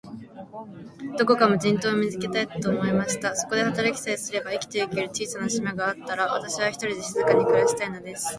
どこか無人島を見つけたい、と思いました。そこで働きさえすれば、生きてゆける小さな島があったら、私は、ひとりで静かに暮したいのです。